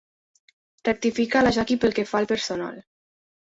Rectifica a la Jackie pel que fa al personal.